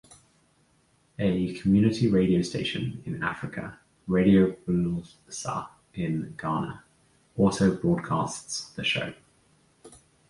A community radio station in Africa, Radio Builsa in Ghana, also broadcasts the show.